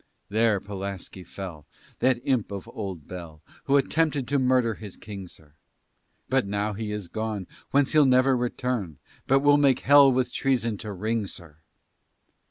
There Pulaski fell, That imp of old Bell, Who attempted to murder his king, sir. But now he is gone Whence he'll never return; But will make hell with treason to ring, sir.